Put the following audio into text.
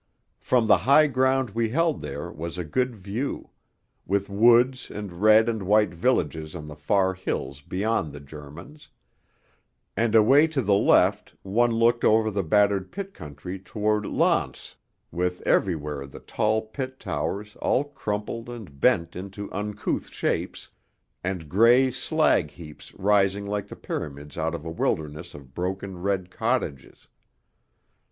From the high ground we held there was a good view, with woods and red and white villages on the far hills beyond the Germans; and away to the left one looked over the battered pit country towards Lens, with everywhere the tall pit towers all crumpled and bent into uncouth shapes, and grey slag heaps rising like the Pyramids out of a wilderness of broken red cottages.